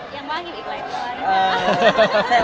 ยังบ้างอยู่อีกหลายคน